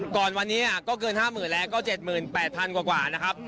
ก่อนวันนี้ก็เกินห้าหมื่นแล้วก็เจ็ดหมื่นแปดพันกว่านะครับ